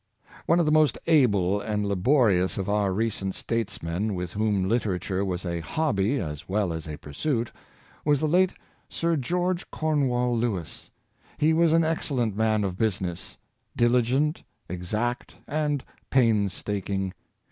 One of the most able and laborious of our recent statesmen — with whom literature was a hobby as well as a pursuit — was the late Sir George Cornewall Lewis. He was an excellent man of business — diligent, exact, and painstaking.